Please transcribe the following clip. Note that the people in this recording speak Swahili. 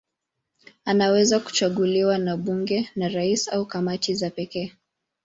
Anaweza kuchaguliwa na bunge, na rais au kamati za pekee.